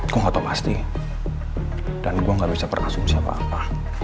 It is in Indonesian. gue gak tau pasti dan gue gak bisa berasumsi apa apa